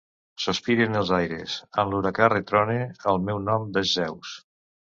Sospire en els aires, en l'huracà retrone, el meu nom és Zeus!